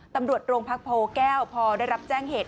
ตำรวจโรงพักโพแก้วพอได้รับแจ้งเหตุ